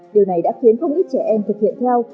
điều này đã khiến không ít trẻ em thực hiện theo